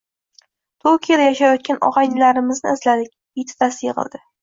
Tokioda yashayotgan og`aynilarimizni izladik ettitasi yig`ildi